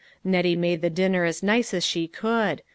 Nettie made the dinner as nice as she could.